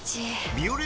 「ビオレ」